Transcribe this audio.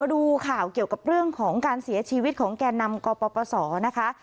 ดูข่าวเกี่ยวกับเรื่องของการเสียชีวิตของแก่นำกปศนะคะ